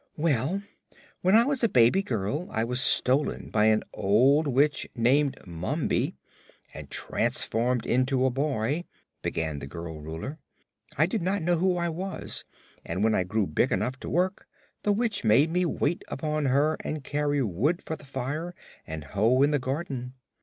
"Well, when I was a baby girl I was stolen by an old Witch named Mombi and transformed into a boy," began the girl Ruler. "I did not know who I was and when I grew big enough to work, the Witch made me wait upon her and carry wood for the fire and hoe in the garden.